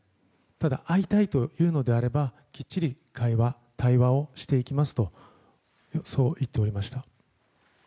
ただ、会いたいというのであればきっちり対話をしていきますとそう言っておりました。